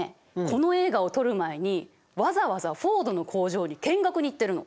この映画を撮る前にわざわざフォードの工場に見学に行ってるの。